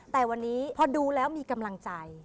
แต่วันนี้พอดูแล้วมีกำลังใจ